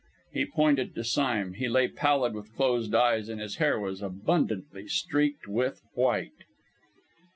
He pointed to Sime. He lay, pallid, with closed eyes and his hair was abundantly streaked with white!